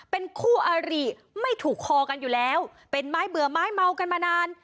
เป็นคู่อาริไม่ถูกคอกันอยู่แล้วเป็นไม้เบื่อไม้เมากันมานาน